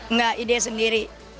nggak ide sendiri